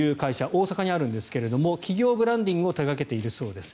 大阪にあるんですが企業ブランディングを手掛けているそうです。